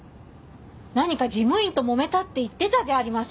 何か事務員ともめたって言ってたじゃありませんか。